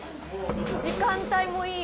「時間帯もいい」